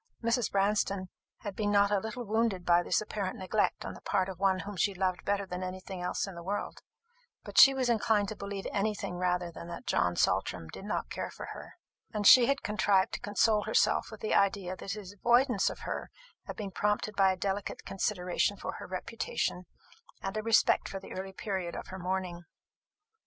Mrs. Branston had been not a little wounded by this apparent neglect on the part of one whom she loved better than anything else in the world; but she was inclined to believe any thing rather than that John Saltram did not care for her; and she had contrived to console herself with the idea that his avoidance of her had been prompted by a delicate consideration for her reputation, and a respect for the early period of her mourning.